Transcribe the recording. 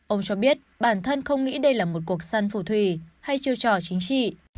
ông cho biết bản thân không nghĩ đây là một cuộc săn phù thủy hay chiêu trò chính trị